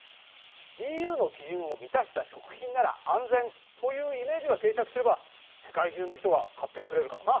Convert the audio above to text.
ＥＵの基準を満たした食品なら安全というイメージが定着すれば世界中の人が買ってくれるからな。